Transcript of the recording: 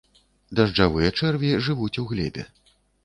Дажджавыя чэрві жывуць у глебе.